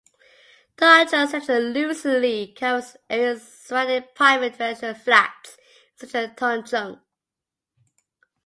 Tung Chung Central loosely covers area surrounding private residential flats in central Tung Chung.